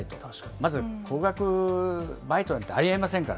まず、高額バイトなんてありえませんから。